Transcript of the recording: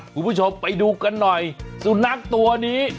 คุณผู้ชมไปดูกันหน่อยสุนัขตัวนี้